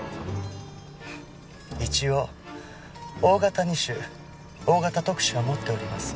一応大型二種大型特殊は持っております。